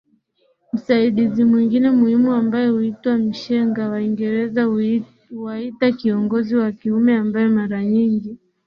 Msaidizi mwingine muhimu ambae huitwa Mshenga Waingereza huwaita kiongozi wa kiume ambae mara nyingi